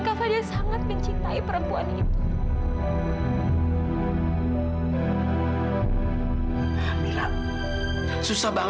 kamu harus percaya satu hal